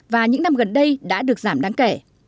và những năm gần đây đã được giảm đáng kể